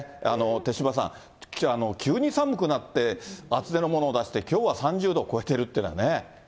手嶋さん、急に寒くなって厚手のものを出して、きょうは３０度超えてるというのはね。